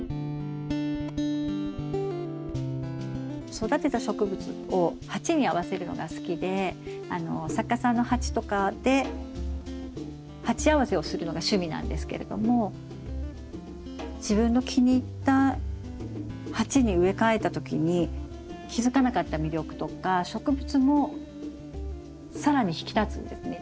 育てた植物を鉢に合わせるのが好きであの作家さんの鉢とかで鉢合わせをするのが趣味なんですけれども自分の気に入った鉢に植え替えた時に気付かなかった魅力とか植物も更に引き立つんですね。